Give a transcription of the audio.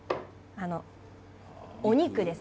お肉です。